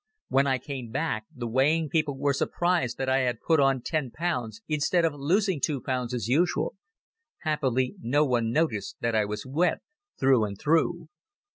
When I came back, the weighing people were surprised that I had put on ten pounds instead of losing two pounds as usual. Happily no one noticed that I was wet through and through.